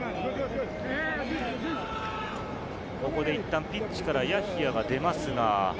ここでいったんピッチからヤヒヤが出ますが。